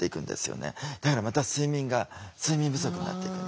だからまた睡眠が睡眠不足になっていくんです。